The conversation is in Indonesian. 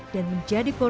dan menjadi penyakit